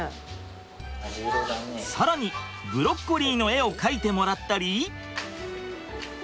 更にブロッコリーの絵を描いてもらったり。